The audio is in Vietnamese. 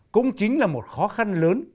cũng chính là một khó khăn lớn